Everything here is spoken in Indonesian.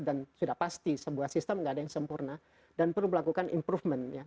dan sudah pasti sebuah sistem gak ada yang sempurna dan perlu melakukan improvement ya